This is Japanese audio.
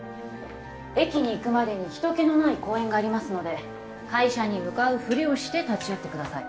駅に行くまでに人けのない公園がありますので会社に向かうふりをして立ち寄ってください